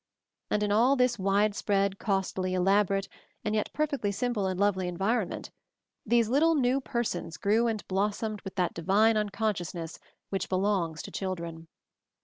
And in all this widespread, costly, elabo rate, and yet perfectly simple and lovely en vironment, these little New Persons grew and blossomed with that divine unconscious ness which belongs to children.